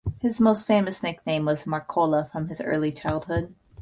His most famous nickname was "Macola" from his early childhood.